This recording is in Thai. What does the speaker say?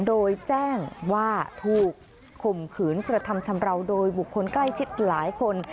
โดยแจ้งว่าถูกข่มขืนกระทำชำราวโดยบุคคลใกล้ชิดหลายคน